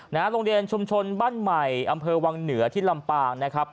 โรงเรียนชุมชนบ้านใหม่อำเภอวังเหนือที่ลำปางนะครับ